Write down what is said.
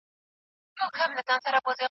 تاسي کله د پښتو په اړه خپله څېړنه بشپړه کړه؟